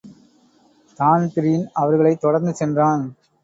Dan Breen அவர்களைத் தொடர்ந்து சென்றான்.